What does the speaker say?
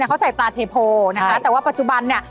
เค้าใส่ปลาเทโพแต่ว่าปัจจุบันนี่